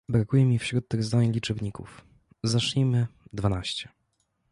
Brakuje mi wśród tych zdań liczebników. Zacznijmy: dwanaście